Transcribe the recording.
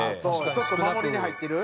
ちょっと守りに入ってる？